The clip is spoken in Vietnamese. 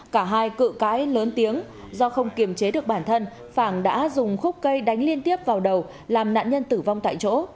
cả hai cự cãi lớn tiếng do không kiềm chế được bản thân phàng đã dùng khúc cây đánh liên tiếp vào đầu làm nạn nhân tử vong tại chỗ